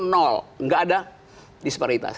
tidak ada disparitas